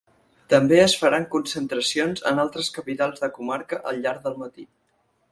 També es faran concentracions en altres capitals de comarca al llarg del matí.